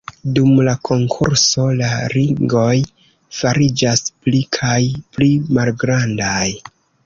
Dum la konkurso la ringoj fariĝas pli kaj pli malgrandaj.